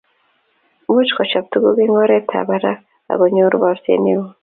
muuch kochop tuguk eng oretab barak ago nyoor borset neo